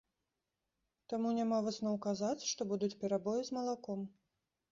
Таму няма высноў казаць, што будуць перабоі з малаком.